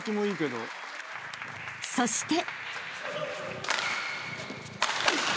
［そして］